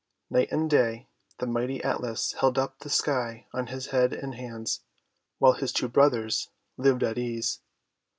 Night and day the mighty Atlas held up the sky on his head and hands, while his two brothers lived at ease.